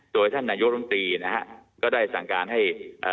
โดยท่านนายกรมตรีนะฮะก็ได้สั่งการให้เอ่อ